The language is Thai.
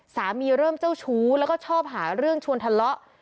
สามีเริ่มเจ้าชู้แล้วก็ชอบหาเรื่องชวนทะเลาะ